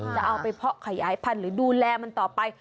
จะเอาไปเพาะขยายพันธุ์หรือดูแลมันต่อไป